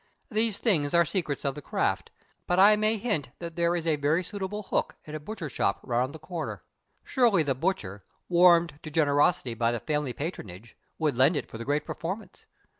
These things are secrets of the craft, but I may hint that there is a very suitable hook in a butchershop around the corner. Surely the butcher warmed to generosity by the family patronage would lend it for the great performance.